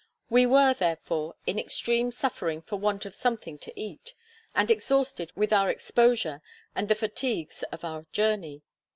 We were, therefore, in extreme suffering for want of something to eat, and exhausted with our exposure and the fatigues of our journey.